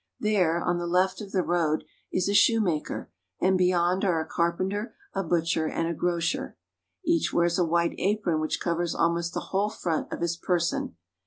There, on the left of the road, is a shoemaker, and beyond are a carpenter, a butcher, and a grocer. Each wears a white apron which covers almost the whole front of his person.